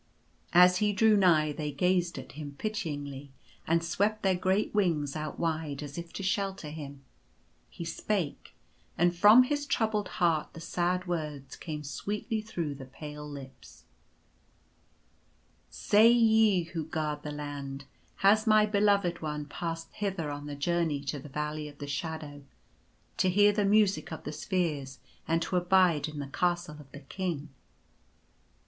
As he drew nigh they gazed at him pityingly and swept their great wings out wide, as if to shelter him. He spake ; and from his troubled heart the sad words came sweetly through the pale lips :" Say, Ye who guard the Land, has my Beloved One passed hither on the journey to the Valley of the Shadow, to hear the Music of the Spheres, and to abide in the Castle of the King